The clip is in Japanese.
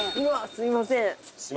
すみません。